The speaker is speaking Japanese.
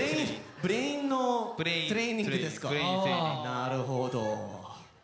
なるほど。